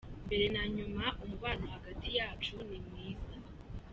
Mbere na nyuma umubano hagati yacu ni mwiza.